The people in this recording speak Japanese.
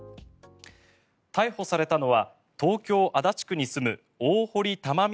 逮捕されたのは東京・足立区に住む大堀たまみ